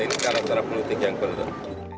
ini cara cara berpolitik yang berikut